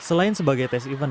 selain sebagai tes event